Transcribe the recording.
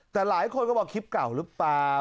แต่หลายคนก็บอกคลิปเก่าหรือเปล่า